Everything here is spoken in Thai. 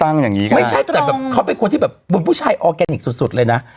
อย่างนี้ใช่ไหมไม่ใช่แต่แบบเขาเป็นคนที่แบบเป็นผู้ชายออร์แกนิคสุดสุดเลยนะ